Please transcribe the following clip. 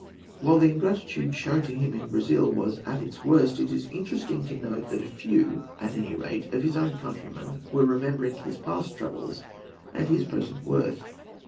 While the ingratitude shown to him in Brazil was at its worst it is interesting to notice that a few, at any rate, of his own countrymen were remembering his past troubles and his present worth.